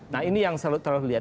nah ini yang selalu lihat